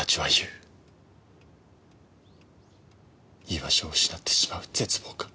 居場所を失ってしまう絶望感。